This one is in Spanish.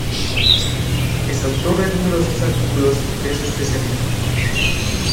Es autor de numerosos artículos de su especialidad.